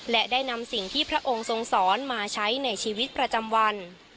และได้นำสิ่งที่พระองค์ทรงสอนมาใช้ในชีวิตประจำวัน